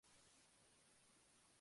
Silva lo noqueó con un recto de derecha.